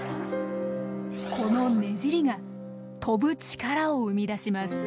このねじりが飛ぶ力を生み出します。